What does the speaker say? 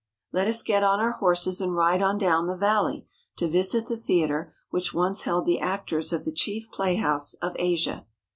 Let us get on our horses and ride on down the valley to visit the theatre which once held the actors of the chief playhouse of Asia.